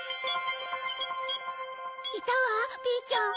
いたわピーちゃん。